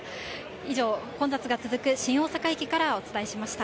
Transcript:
以上、混雑が続く新大阪駅からお伝えしました。